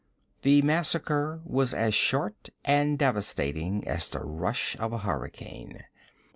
The massacre was as short and devastating as the rush of a hurricane.